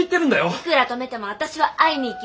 いくら止めても私は会いに行きます。